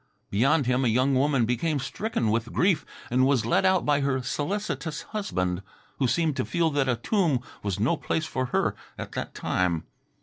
Beyond him a young woman became stricken with grief and was led out by her solicitous husband, who seemed to feel that a tomb was no place for her at that time.